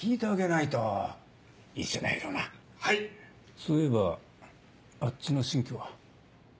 そういえばあっちの新居は？